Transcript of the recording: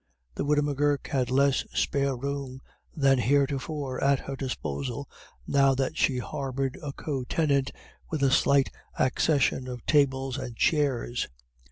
The widow M'Gurk had less spare room than heretofore at her disposal now that she harboured a co tenant, with a slight accession of tables and chairs.